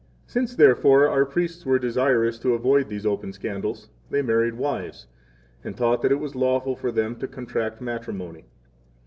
3 Since, therefore, our priests were desirous to avoid these open scandals, they married wives, and taught that it was lawful for them to contract matrimony.